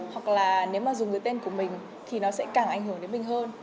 hoặc là nếu mà dùng dưới tên của mình thì nó sẽ càng ảnh hưởng đến mình hơn